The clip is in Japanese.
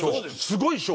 すごい賞。